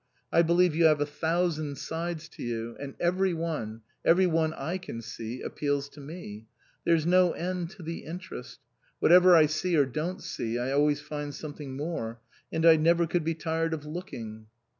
I believe you have a thousand sides to you, and every one every one I can see appeals to me. There's no end to the interest. Whatever I see or don't see, I always find something more, and I never could be tired of looking."